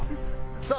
さあ